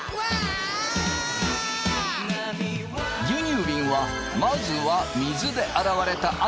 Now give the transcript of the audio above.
牛乳びんはまずは水で洗われた